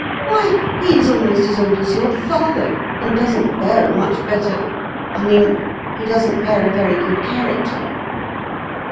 " Why, he is almost as old as your father, and doesn't bear a much better — I mean, he doesn't bear a very good character."